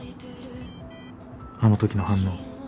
あのときの反応。